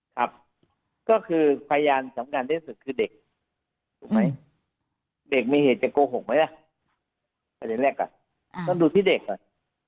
ต้องดูพี่เด็กก่อน